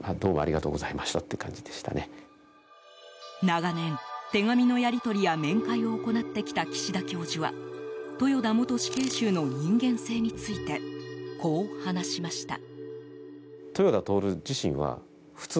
長年、手紙のやり取りや面会を行ってきた岸田教授は豊田元死刑囚の人間性についてこう話しました。